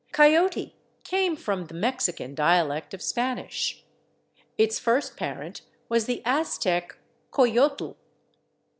/Coyote/ came from the Mexican dialect of Spanish; its first parent was the Aztec /coyotl